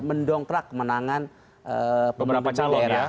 mendongkrak kemenangan beberapa calon ya